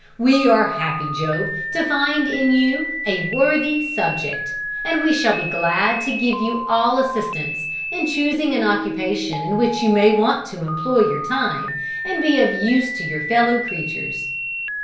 We are happy, Job, to find in you a 'worthy subject,' and we shall be glad to give you all assistance in choosing an occupation in which you may employ your time, and be of use to your fellow creatures."